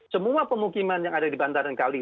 semua pemukiman yang ada di bantaran kali